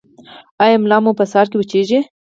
ایا ملا مو په سهار کې وچیږي؟